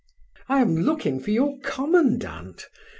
"I am looking for your commandant.